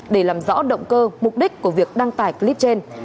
để làm rõ động cơ mục đích của việc đăng tải clip trên